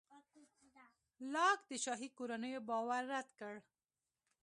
لاک د شاهي کورنیو باور رد کړ.